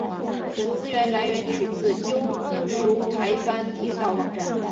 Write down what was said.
本资料来源取自悠游台湾铁道网站。